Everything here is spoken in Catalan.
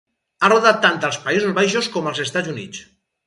Ha rodat tant als Països Baixos com als Estats Units.